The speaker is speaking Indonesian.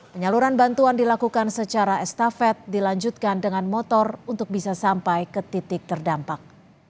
penyaluran bantuan dilakukan secara estafet dilanjutkan dengan motor untuk bisa sampai ke titik terdampak